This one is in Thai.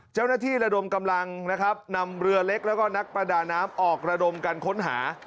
เจ้าหน้าที่ระดมกำลังนำเรือเล็กแล้วก็นักประดาน้ำออกระดมกันค้นหา